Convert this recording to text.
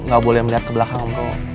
gak boleh melihat ke belakang